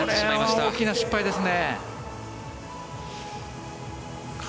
これは大きな失敗ですね。